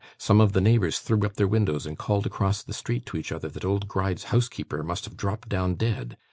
Some of the neighbours threw up their windows, and called across the street to each other that old Gride's housekeeper must have dropped down dead.